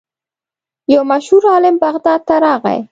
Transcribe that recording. یو مشهور عالم بغداد ته راغی.